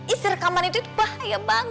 isi rekaman itu bahaya banget